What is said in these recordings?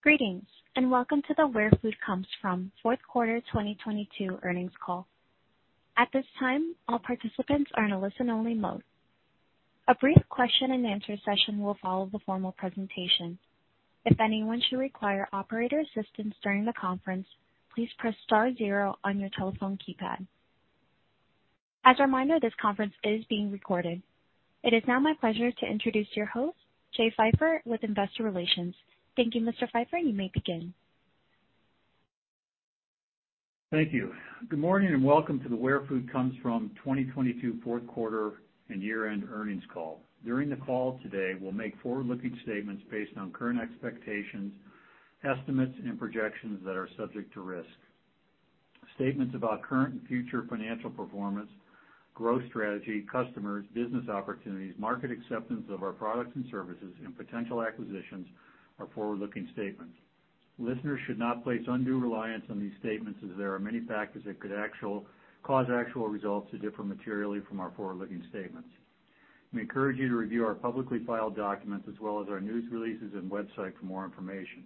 Greetings, welcome to the Where Food Comes From Fourth Quarter 2022 Earnings Call. At this time, all participants are in a listen-only mode. A brief question-and-answer session will follow the formal presentation. If anyone should require operator assistance during the conference, please press star zero on your telephone keypad. As a reminder, this conference is being recorded. It is now my pleasure to introduce your host, Jay Pfeiffer, with Investor Relations. Thank you, Mr. Pfeiffer. You may begin. Thank you. Good morning, welcome to the Where Food Comes From 2022 fourth quarter and year-end earnings call. During the call today, we'll make forward-looking statements based on current expectations, estimates, and projections that are subject to risk. Statements about current and future financial performance, growth strategy, customers, business opportunities, market acceptance of our products and services, and potential acquisitions are forward-looking statements. Listeners should not place undue reliance on these statements as there are many factors that could cause actual results to differ materially from our forward-looking statements. We encourage you to review our publicly filed documents as well as our news releases and website for more information.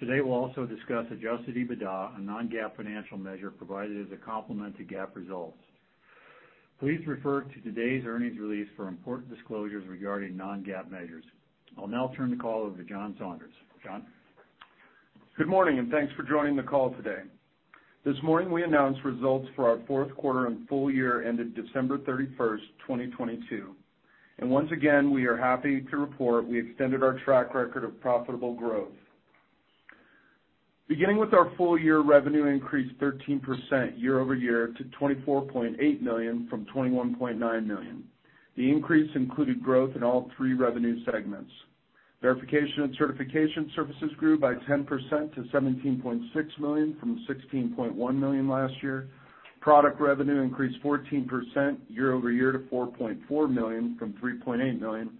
Today, we'll also discuss Adjusted EBITDA, a non-GAAP financial measure provided as a complement to GAAP results. Please refer to today's earnings release for important disclosures regarding non-GAAP measures. I'll now turn the call over to John Saunders. Good morning, thanks for joining the call today. This morning we announced results for our fourth quarter and full year ended December 31st, 2022. Once again, we are happy to report we extended our track record of profitable growth. Beginning with our full-year revenue increase 13% YoY to $24.8 million from $21.9 million. The increase included growth in all three revenue segments. Verification and certification services grew by 10% to $17.6 million from $16.1 million last year. Product revenue increased 14% YoY to $4.4 million from $3.8 million.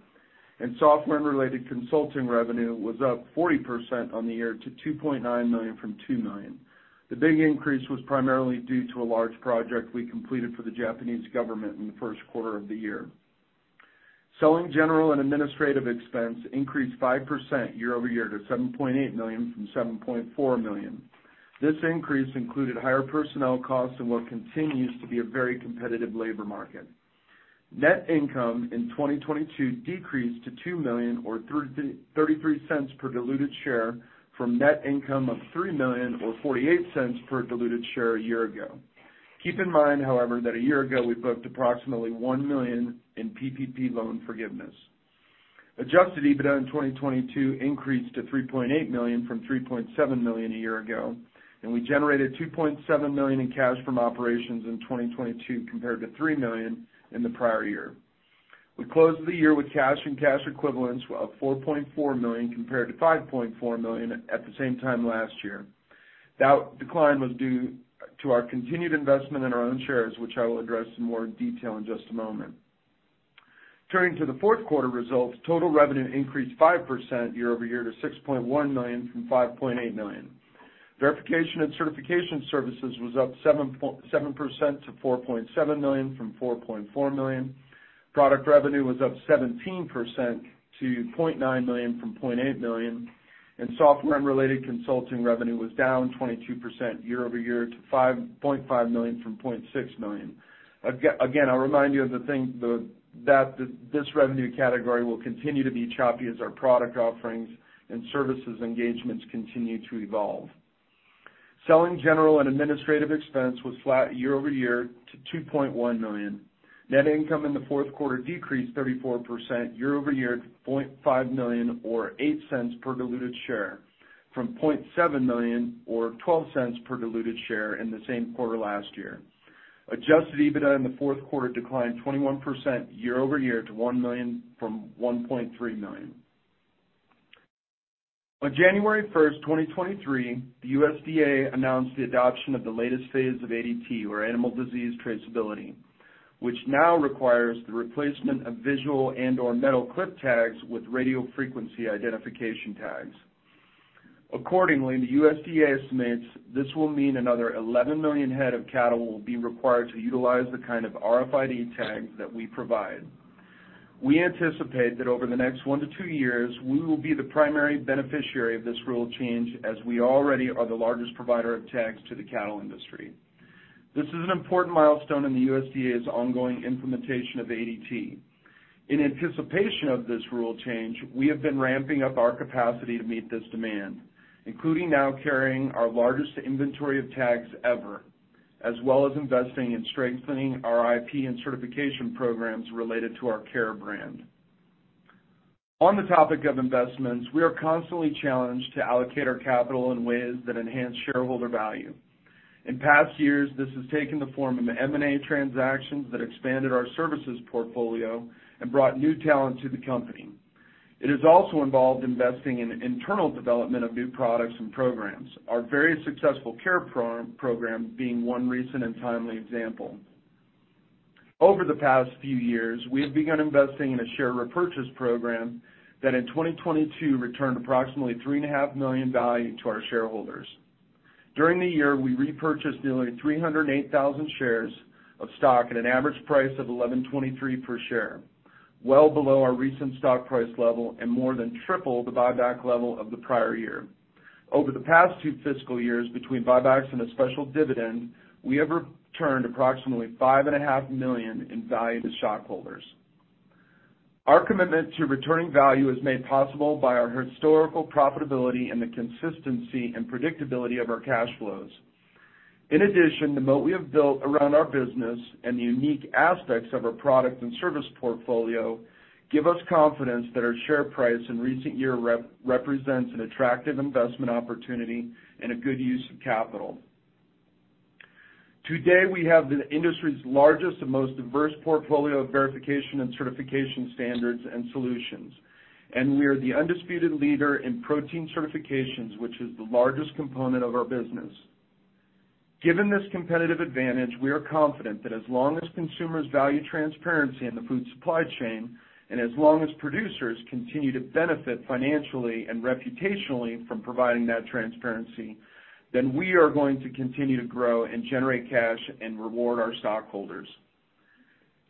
Software and related consulting revenue was up 40% on the year to $2.9 million from $2 million. The big increase was primarily due to a large project we completed for the Japanese government in the first quarter of the year. Selling general and administrative expense increased 5% YoY to $7.8 million from $7.4 million. This increase included higher personnel costs and what continues to be a very competitive labor market. Net income in 2022 decreased to $2 million or $0.33 per diluted share from net income of $3 million or $0.48 per diluted share a year ago. Keep in mind, however, that a year ago, we booked approximately $1 million in PPP loan forgiveness. Adjusted EBITDA in 2022 increased to $3.8 million from $3.7 million a year ago, and we generated $2.7 million in cash from operations in 2022 compared to $3 million in the prior year. We closed the year with cash and cash equivalents of $4.4 million compared to $5.4 million at the same time last year. That decline was due to our continued investment in our own shares, which I will address in more detail in just a moment. Turning to the fourth quarter results, total revenue increased 5% YoY to $6.1 million from $5.8 million. Verification and certification services was up 7% to $4.7 million from $4.4 million. Product revenue was up 17% to $0.9 million from $0.8 million. Software and related consulting revenue was down 22% YoY to $5.5 million from $5.6 million. Again, I'll remind you of the thing that this revenue category will continue to be choppy as our product offerings and services engagements continue to evolve. Selling general and administrative expense was flat YoY to $2.1 million. Net income in the fourth quarter decreased 34% YoY to $0.5 million or $0.08 per diluted share from $0.7 million or $0.12 per diluted share in the same quarter last year. Adjusted EBITDA in the fourth quarter declined 21% YoY to $1 million from $1.3 million. On January 1st, 2023, the USDA announced the adoption of the latest phase of ADT, or Animal Disease Traceability, which now requires the replacement of visual and/or metal clip tags with radio frequency identification tags. Accordingly, the USDA estimates this will mean another 11 million head of cattle will be required to utilize the kind of RFID tags that we provide. We anticipate that over the next one to two years, we will be the primary beneficiary of this rule change, as we already are the largest provider of tags to the cattle industry. This is an important milestone in the USDA's ongoing implementation of ADT. In anticipation of this rule change, we have been ramping up our capacity to meet this demand, including now carrying our largest inventory of tags ever, as well as investing in strengthening our IP and certification programs related to our CARE brand. On the topic of investments, we are constantly challenged to allocate our capital in ways that enhance shareholder value. In past years, this has taken the form of M&A transactions that expanded our services portfolio and brought new talent to the company. It has also involved investing in internal development of new products and programs, our very successful CARE program being one recent and timely example. Over the past few years, we have begun investing in a share repurchase program that in 2022 returned approximately $three and a half million value to our shareholders. During the year, we repurchased nearly 308,000 shares of stock at an average price of $11.23 per share, well below our recent stock price level and more than triple the buyback level of the prior year. Over the past two fiscal years, between buybacks and a special dividend, we have returned approximately $5.5 million in value to stockholders. Our commitment to returning value is made possible by our historical profitability and the consistency and predictability of our cash flows. The moat we have built around our business and the unique aspects of our product and service portfolio give us confidence that our share price in recent year represents an attractive investment opportunity and a good use of capital. Today, we have the industry's largest and most diverse portfolio of verification and certification standards and solutions, and we are the undisputed leader in protein certifications, which is the largest component of our business. Given this competitive advantage, we are confident that as long as consumers value transparency in the food supply chain, and as long as producers continue to benefit financially and reputationally from providing that transparency, we are going to continue to grow and generate cash and reward our stockholders.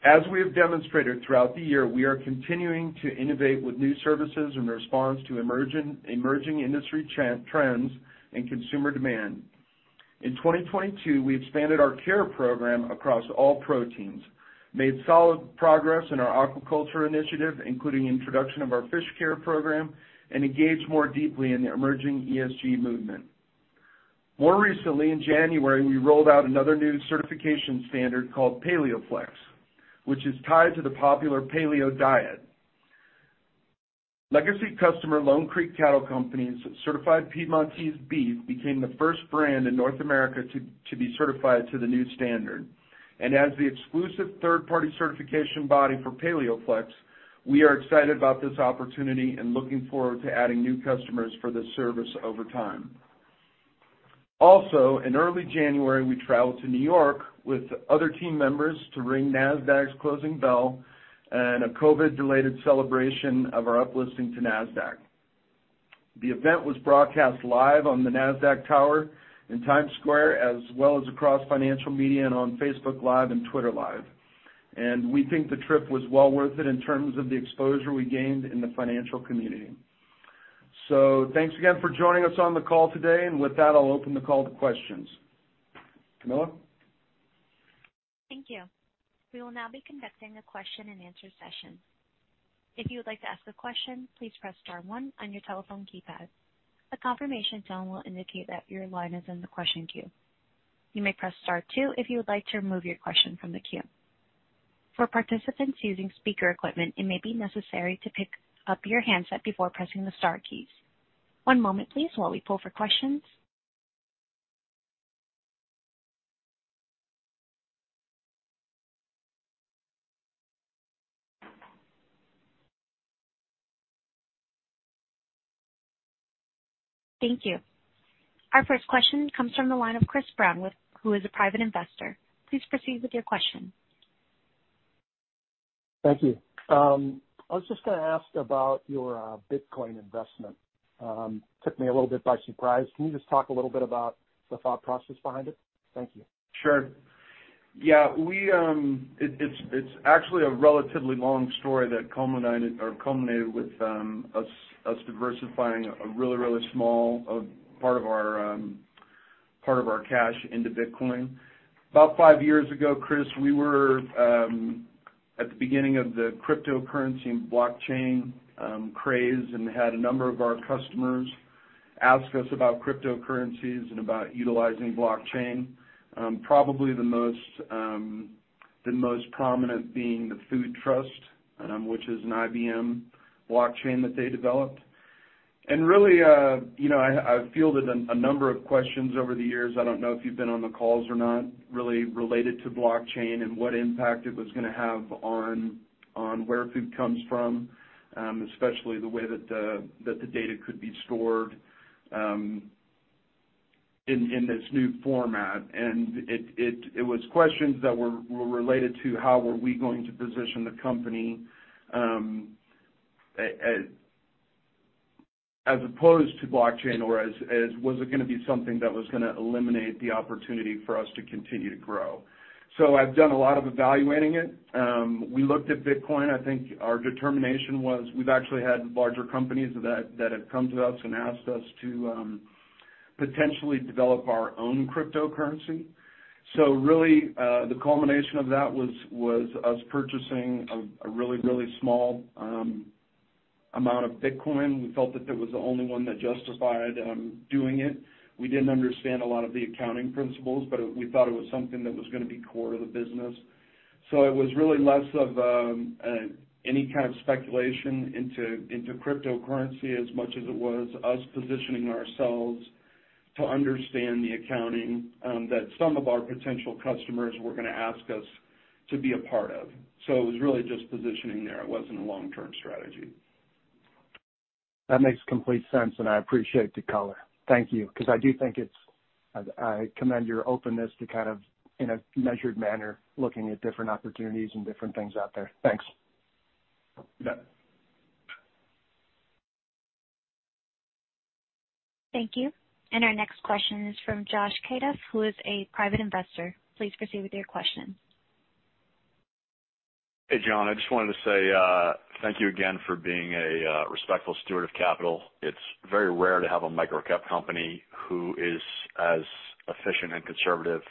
As we have demonstrated throughout the year, we are continuing to innovate with new services in response to emerging industry trends and consumer demand. In 2022, we expanded our CARE program across all proteins, made solid progress in our aquaculture initiative, including introduction of our FishCARE program, and engaged more deeply in the emerging ESG movement. More recently, in January, we rolled out another new certification standard called PaleoFLEX, which is tied to the popular paleo diet. Legacy customer Lone Creek Cattle Company's Certified Piedmontese Beef became the first brand in North America to be certified to the new standard. As the exclusive third-party certification body for PaleoFLEX, we are excited about this opportunity and looking forward to adding new customers for this service over time. In early January, we traveled to New York with other team members to ring Nasdaq's closing bell in a COVID-related celebration of our uplisting to Nasdaq. The event was broadcast live on the Nasdaq Tower in Times Square, as well as across financial media and on Facebook Live and Twitter Live. We think the trip was well worth it in terms of the exposure we gained in the financial community. Thanks again for joining us on the call today. With that, I'll open the call to questions. Camilla? Thank you. We will now be conducting a Q&A session. If you would like to ask a question, please press star one on your telephone keypad. A confirmation tone will indicate that your line is in the question queue. You may press star two if you would like to remove your question from the queue. For participants using speaker equipment, it may be necessary to pick up your handset before pressing the star keys. One moment, please, while we pull for questions. Thank you. Our first question comes from the line of Chris Brown, who is a private investor. Please proceed with your question. Thank you. I was just gonna ask about your Bitcoin investment. Took me a little bit by surprise. Can you just talk a little bit about the thought process behind it? Thank you. Sure. Yeah, we, it's actually a relatively long story that culminated or culminated with us diversifying a really, really small part of our cash into Bitcoin. About five years ago, Chris, we were at the beginning of the cryptocurrency and blockchain craze and had a number of our customers ask us about cryptocurrencies and about utilizing blockchain, probably the most prominent being the Food Trust, which is an IBM blockchain that they developed. Really, you know, I fielded a number of questions over the years, I don't know if you've been on the calls or not, really related to blockchain and what impact it was gonna have on Where Food Comes From, especially the way that the data could be stored in this new format. It was questions that were related to how were we going to position the company as opposed to blockchain or as was it gonna be something that was gonna eliminate the opportunity for us to continue to grow. I've done a lot of evaluating it. We looked at Bitcoin. I think our determination was we've actually had larger companies that have come to us and asked us to potentially develop our own cryptocurrency. Really, the culmination of that was us purchasing a really, really small amount of Bitcoin. We felt that that was the only one that justified doing it. We didn't understand a lot of the accounting principles, but we thought it was something that was gonna be core to the business. It was really less of any kind of speculation into cryptocurrency as much as it was us positioning ourselves to understand the accounting that some of our potential customers were gonna ask us to be a part of. It was really just positioning there. It wasn't a long-term strategy. That makes complete sense, and I appreciate the color. Thank you. Because I do think it's I commend your openness to kind of, in a measured manner, looking at different opportunities and different things out there. Thanks. Yeah. Thank you. Our next question is from Josh Kaff, who is a private investor. Please proceed with your question. Hey, John. I just wanted to say, thank you again for being a respectful steward of capital. It's very rare to have a microcap company who is as efficient and conservative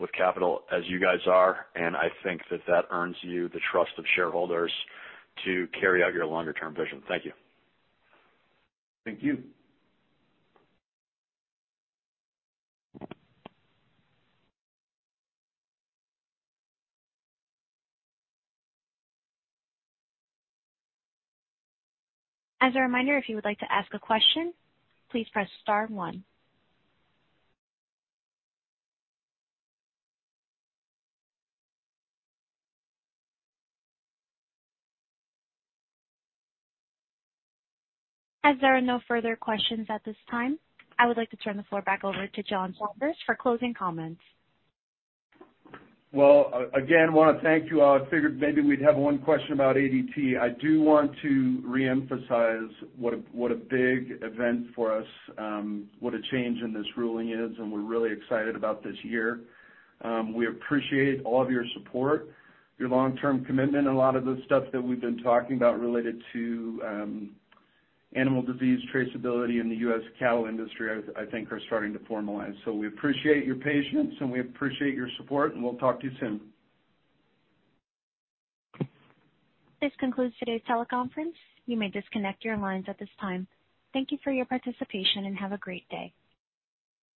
with capital as you guys are, and I think that that earns you the trust of shareholders to carry out your longer term vision. Thank you. Thank you. As a reminder, if you would like to ask a question, please press star one. As there are no further questions at this time, I would like to turn the floor back over to John Saunders for closing comments. Well, again, wanna thank you all. I figured maybe we'd have one question about ADT. I do want to reemphasize what a, what a big event for us, what a change in this ruling is, and we're really excited about this year. We appreciate all of your support, your long-term commitment, and a lot of the stuff that we've been talking about related to Animal Disease Traceability in the U.S. cattle industry, I think are starting to formalize. We appreciate your patience, and we appreciate your support, and we'll talk to you soon. This concludes today's teleconference. You may disconnect your lines at this time. Thank you for your participation. Have a great day.